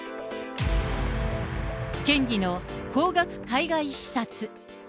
県議の高額海外視察。